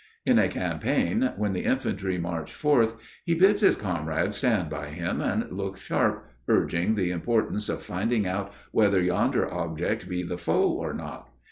In a campaign, when the infantry march forth, he bids his comrades stand by him and look sharp, urging the importance of finding out whether yonder object be the foe or not.